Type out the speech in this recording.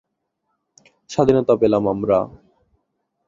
স্বাধীনতা পেলাম আমরা